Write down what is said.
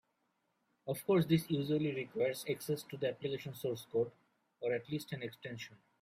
Of course, this usually requires access to the application source code (or at least an extension).